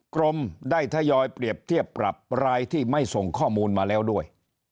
กรมได้ทยอยเปรียบเทียบปรับรายที่ไม่ส่งข้อมูลมาแล้วด้วย